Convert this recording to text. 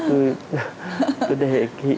tôi đề nghị